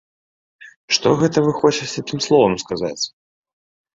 Што гэта вы хочаце тым словам сказаць?